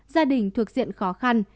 gia đình thuộc diện khó khăn